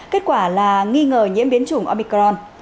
kết quả là nghi ngờ nhiễm biến chủng omicron